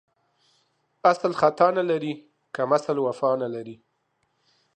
اسل ختا نه لري ، کمسل وفا نه لري.